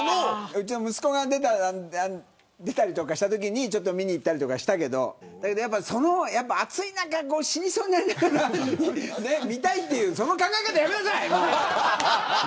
うちの息子が出たりしたときに見に行ったりしたけど暑い中、死にそうになりながら見たいというその考え方をやめなさい。